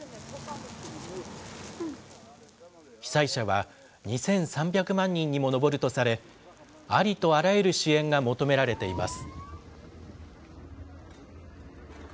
被災者は２３００万人にも上るとされ、ありとあらゆる支援が求められています。